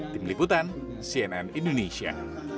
tim liputan cnn indonesia